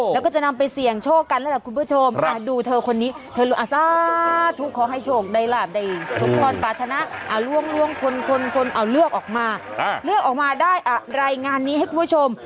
แล้วก็จะนำไปเสี่ยงโชคกันแล้วล่ะคุณผู้ชม